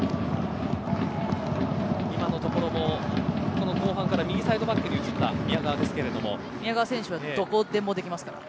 今のところも後半から右サイドバックに移った宮川ですが宮川選手はどこでもできますから。